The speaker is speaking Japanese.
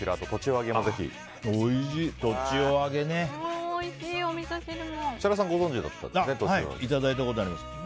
はい、いただいたことあります。